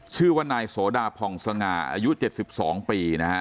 ชื่อว่านายโสดาพองศงาอายุ๗๒ปี